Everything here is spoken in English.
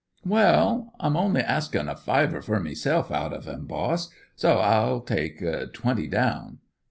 "Well, I'm only askin' a fiver for meself out've him, boss; so I'll take twenty down."